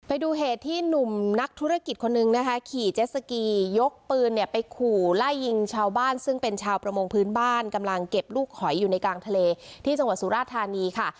ไปดูเหตุที่หนุ่มนักธุรกิจคนนึงนะคะขี่เจสสกียกปืนเนี่ยไปขู่ไล่ยิงชาวบ้านซึ่งเป็นชาวประมงพื้นบ้านกำลังเก็บลูกหอยอยู่ในกลางทะเลที่จังหวัดสุราธานีค่ะ